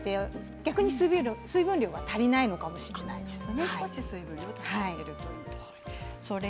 逆に水分量が足りないのかもしれないですね。